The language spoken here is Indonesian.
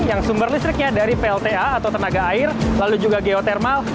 yang sumber listriknya dari plta atau tenaga air lalu juga geotermal